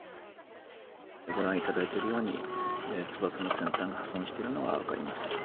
ご覧いただいているように翼の先端が破損しているのが分かります。